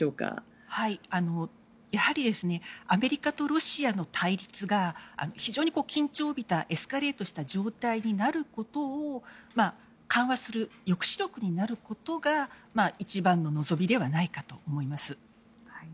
やはりアメリカとロシアの対立が非常に緊張を帯びたエスカレートした状態になることを緩和する抑止力になることが一番望みではないかと思います。